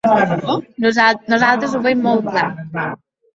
Nosaltres ho veiem molt clar.